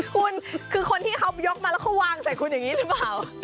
คุณคือคนที่เขายกมาแล้วเขาวางใส่คุณอย่างนี้หรือเปล่า